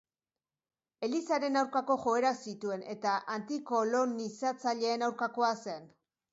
Elizaren aurkako joerak zituen eta antikolonizatzaileen aurkakoa zen.